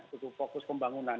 tujuh fokus pembangunan